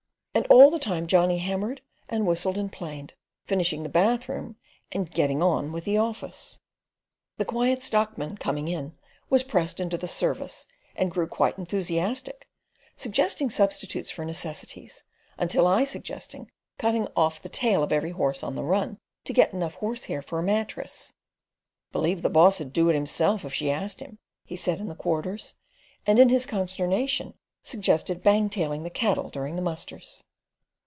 And all the time Johnny hammered and whistled and planed, finishing the bathroom and "getting on" with the office. The Quiet Stockman coming in, was pressed into the service, and grew quite enthusiastic, suggesting substitutes for necessities, until I suggested cutting off the tail of every horse on the run, to get enough horsehair for a mattress. "Believe the boss'ud do it himself if she asked him," he said in the Quarters; and in his consternation suggested bangtailing the cattle during the musters.